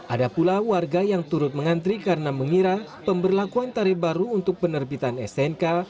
ada pula warga yang turut mengantri karena mengira pemberlakuan tarif baru untuk penerbitan stnk